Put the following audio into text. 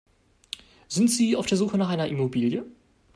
Sind Sie auf der Suche nach einer Immobilie?